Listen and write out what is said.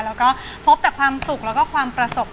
แล้วก็พบแต่ความสุขแล้วก็ความประสบ